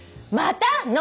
また？